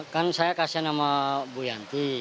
kan saya kasihan sama bu yanti